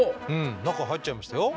中入っちゃいましたよ。